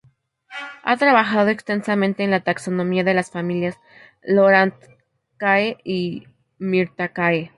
Ha trabajado extensamente en la taxonomía de las familias Loranthaceae, y Myrtaceae.